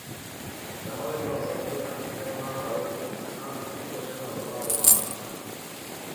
Dále byla zazděna obdélná barokní okna a vytvořena nová románská.